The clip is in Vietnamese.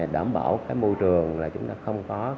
đảm bảo môi trường chúng ta không có mậm non